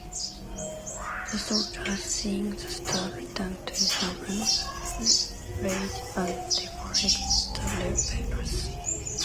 The soldiers, seeing the star return to heaven, rallied and defeated the rebels.